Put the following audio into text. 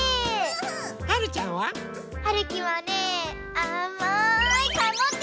はるちゃんは？はるきはねあまいかぼちゃ！